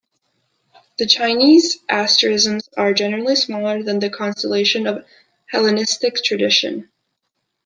The Chinese asterisms are generally smaller than the constellations of Hellenistic tradition.